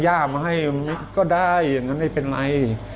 ย่ามาให้ก็ได้อย่างนั้นไม่เป็นไร